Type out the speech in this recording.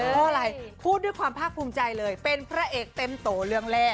เพราะอะไรพูดด้วยความภาคภูมิใจเลยเป็นพระเอกเต็มโตเรื่องแรก